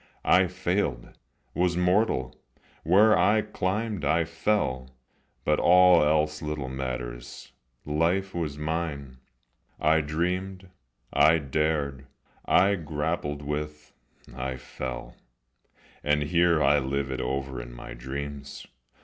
I failed, was mortal; where I climbed I fell. But all else little matters; life was mine, I dreamed, I dared, I grappled with, I fell; And here I live it over in my dreams.